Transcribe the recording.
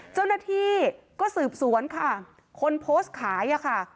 เจ้าหน้าที่ก็สืบสวนค่ะคนโพสต์ขายอะค่ะ